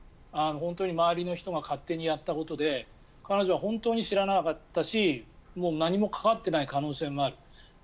本当に周りの人が勝手にやったことで彼女は本当に知らなかったし何も関わっていない可能性もある。